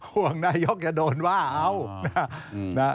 ห่วงนายกจะโดนว่าเอา